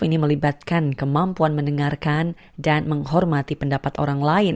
ini melibatkan kemampuan mendengarkan dan menghormati pendapat orang lain